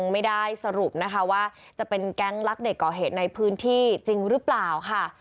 เพราะว่าจะเป็นแก๊งลักเด็กก่อเหตุในพื้นที่จริงรึเปล่าค่ะ